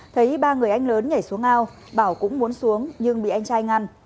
thấy ba người anh lớn nhảy xuống ao bảo cũng muốn xuống nhưng bị anh trai ngăn